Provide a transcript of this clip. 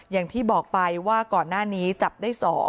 อย่างที่บอกไปว่าก่อนหน้านี้จับได้๒